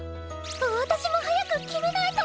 私も早く決めないと！